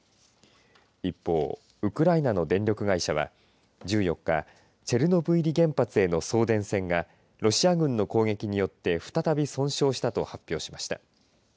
一方、ウクライナの電力会社は１４日、チェルノブイリ原発への送電線がロシア軍の攻撃によって再び損傷したと発表しました。